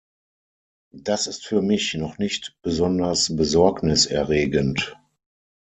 Das ist für mich noch nicht besonders besorgniserregend.